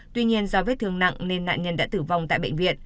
tuy nhiên do vết thương nặng nên nạn nhân đã tử vong tại bệnh viện